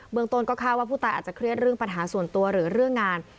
เมืองต้นก็คาดว่าผู้ตายอาจจะเครียดเรื่องปัญหาส่วนตัวหรือเรื่องงาน